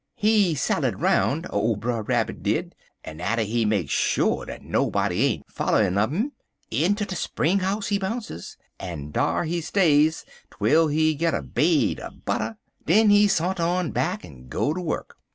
"He sallied 'roun', ole Brer Rabbit did, en atter he make sho dat nobody ain't foller'n un 'im, inter de spring 'ouse he bounces, en dar he stays twel he git a bait er butter. Den he santer on back en go to wuk.